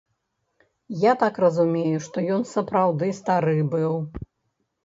Я так разумею, што ён сапраўды стары быў.